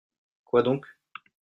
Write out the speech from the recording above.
Quoi donc ?